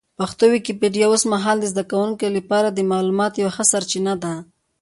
پښتو ويکيپېډيا اوس مهال د زده کوونکو لپاره د معلوماتو یوه ښه سرچینه ده.